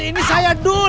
ini saya dul